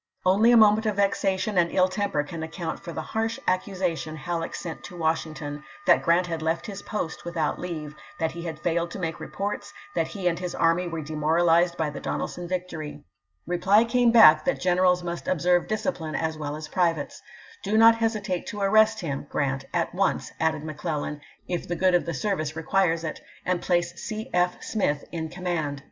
Only a moment of vexation and ill temper can account for the harsh accusation Halleck sent to Washington, that Grant had left his post without leave, that he had failed to make reports, that he and his army were demoralized by the Donelson \ictory. Reply came back that generals must ob to ^hS^^ serve discipline as well as privates. " Do not hesi by^Hta"ntou, tate to arrcst him [Grant] at once," added McClellan, 1^?*^ w. R. " if the good of the service requires it, and place p.' 680.' C. F. Smith in command."